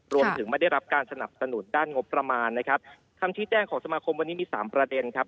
ไม่ได้รับการสนับสนุนด้านงบประมาณนะครับคำที่แจ้งของสมาคมวันนี้มีสามประเด็นครับ